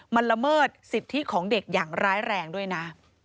มันละเมิดสิทธิของเด็กอย่างร้ายแรงด้วยนะ